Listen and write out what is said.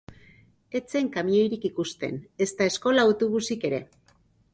Ez zen kamioirik ikusten, ezta eskola autobusik ere.